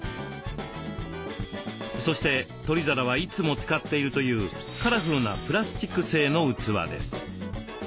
そして取り皿はいつも使っているというカラフルなプラスチック製の器です。